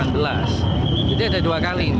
jadi ada dua kali ini